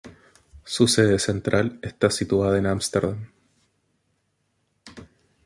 Su sede central está situada en Ámsterdam.